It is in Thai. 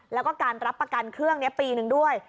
แล้วก็การรับประกันเครื่องนี้ปีนึงด้วย